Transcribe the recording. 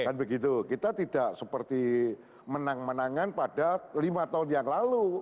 kan begitu kita tidak seperti menang menangan pada lima tahun yang lalu